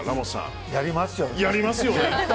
やりますよ。